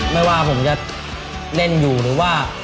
ไม่ว่าผมจะเล่นอยู่หรือว่า